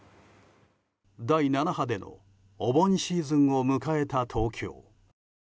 第７波でのお盆シーズンを迎えた東京。